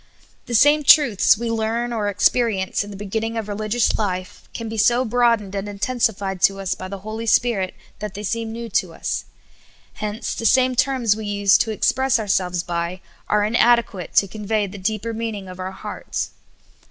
THE same truths we learn or experience in the be ginning of religious life can be so broadened and intensified to us by the Holy Spirit that they seem new to us ; hence the same terms we used to express our selves by are inadequate to conve}^ the deeper mean ing of our hearts.